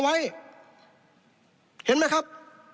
เห็นไหมครับ